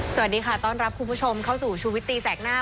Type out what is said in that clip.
สวัสดีค่ะต้อนรับคุณผู้ชมเข้าสู่ชูวิตตีแสกหน้า